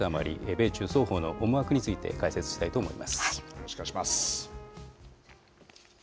米中双方の思惑について解説したよろしくお願いします。